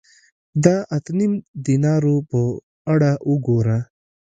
د اته نیم دینارو په اړه وګوره